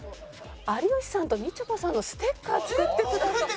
有吉さんとみちょぱさんのステッカー作ってくださった。